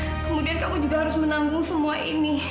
kemudian kamu juga harus menanggung semua ini